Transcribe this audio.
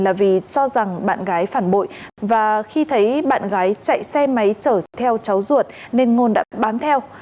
là vì cho rằng bạn gái phản bội và khi thấy bạn gái chạy xe máy chở theo cháu ruột nên ngôn đã bám theo